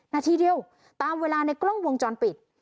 นาทีเดียวตามเวลาในกล้องวงจรปิด